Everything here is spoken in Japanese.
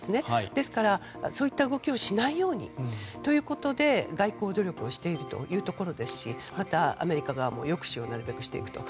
ですから、そういった動きをしないようにということで外交努力をしているということですしまた、アメリカ側も抑止をなるべくしていくと。